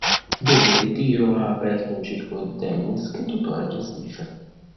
Dopo il ritiro ha aperto un circolo di tennis, che tuttora gestisce.